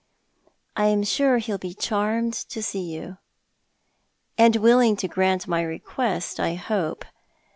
" I am sure he'll be charmed to see you." "And willing to grant my request, I hope.